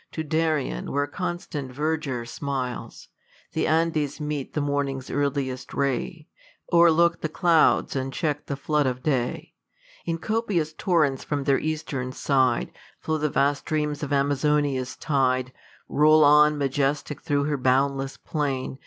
To Darien, w^here constant verdure smiles, The Andes meet the morning's earliest ray, ' O'erlook the clouds and check the flood of Day* In copious torrents from their eastern side, Fk)w the vast streams of Amazonia's tide, ' Roll on majestic through her boundless plain